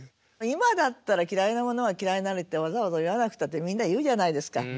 今だったら「嫌ひなものは嫌ひなり」ってわざわざ言わなくたってみんな言うじゃないですか。